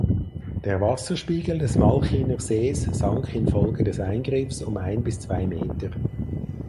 Der Wasserspiegel des Malchiner Sees sank infolge des Eingriffs um ein bis zwei Meter.